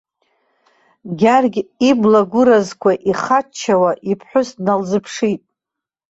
Гьаргь ибла-гәыразқәа ихаччауа, иԥҳәыс дналзыԥшит.